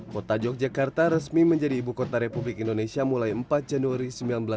kota yogyakarta resmi menjadi ibu kota republik indonesia mulai empat januari seribu sembilan ratus empat puluh